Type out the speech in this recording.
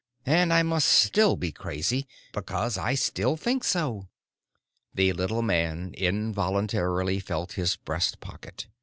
And I must still be crazy, because I still think so." The little man involuntarily felt his breast pocket.